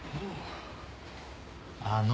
あの。